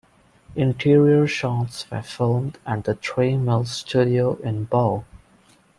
Interior shots were filmed at the Three Mills Studios in Bow.